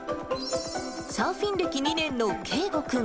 サーフィン歴２年のけいご君。